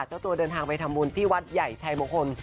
เจ้าตัวเดินทางไปทำบุญที่วัดใหญ่ชัยมงคล